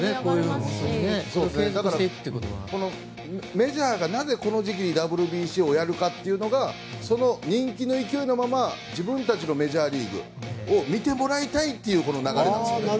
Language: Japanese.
メジャーがなぜこの時期にＷＢＣをやるかっていうのがその人気の勢いのまま自分たちのメジャーリーグを見てもらいたいという流れです。